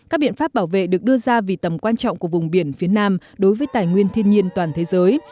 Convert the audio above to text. các biện pháp bảo vệ được đưa ra vì tầm quan trọng của vùng biển phía nam đối với tài nguyên thiên nhiên toàn thế giới